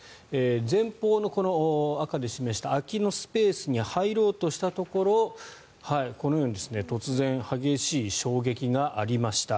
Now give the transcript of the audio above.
前方の、この赤で示した空きスペースに入ろうとしたところこのように突然、激しい衝撃がありました。